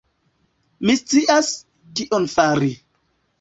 Mi scias, kion fari.